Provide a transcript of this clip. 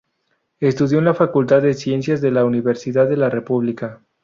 Estudió en la Facultad de Ciencias de la Universidad de la República.